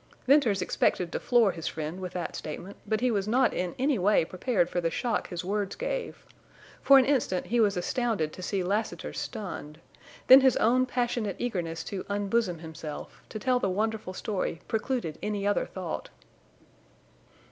Venters expected to floor his friend with that statement, but he was not in any way prepared for the shock his words gave. For an instant he was astounded to see Lassiter stunned; then his own passionate eagerness to unbosom himself, to tell the wonderful story, precluded any other thought.